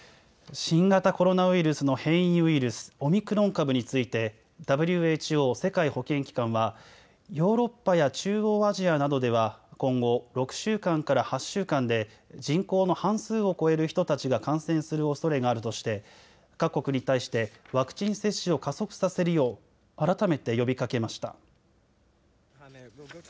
新型コロナウイルスの変異ウイルス、オミクロン株についてＷＨＯ・世界保健機関はヨーロッパや中央アジアなどでは今後、６週間から８週間で人口の半数を超える人たちが感染するおそれがあるとして各国に対してワクチン接種を加速させるよう改めて呼びかけました。